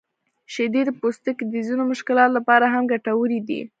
شیدې د پوستکي د ځینو مشکلاتو لپاره هم ګټورې دي.